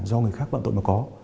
do người khác bận tội mà có